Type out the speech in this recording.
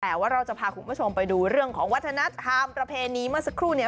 แต่ว่าเราจะพาคุณผู้ชมไปดูเรื่องของวัฒนธรรมประเพณีเมื่อสักครู่นี้